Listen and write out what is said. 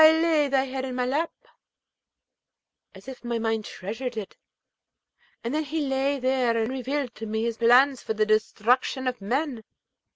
lay thy head in my lap,' as if my mind treasured it. Then he lay there, and revealed to me his plans for the destruction of men.